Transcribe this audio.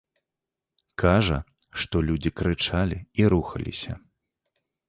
Кажа, што людзі крычалі і рухаліся.